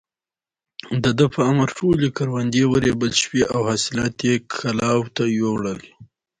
د ده په امر ټولې کروندې ورېبل شوې او حاصلات يې کلاوو ته يووړل.